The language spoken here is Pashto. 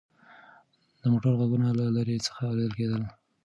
د موټرو غږونه له لرې څخه اورېدل کېدل.